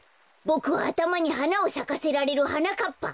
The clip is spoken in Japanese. ボクはあたまにはなをさかせられるはなかっぱ！